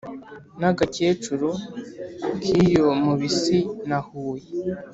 N'agacyecuru k'iyo mu Bisi na Huye